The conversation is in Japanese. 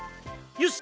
よし！